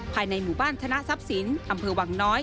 ภายในหมู่บ้านธนทรัพย์สินอำเภอวังน้อย